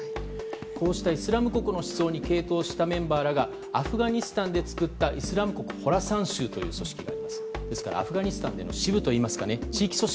こうしたイスラム国の思想に傾倒したメンバーがアフガニスタンで作ったイスラム国ホラサン州という組織。